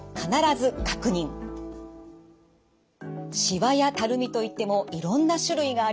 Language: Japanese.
しわやたるみといってもいろんな種類があります。